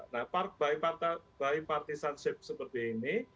nah by partisanship seperti ini